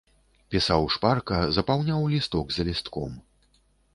Пісаў шпарка, запаўняў лісток за лістком.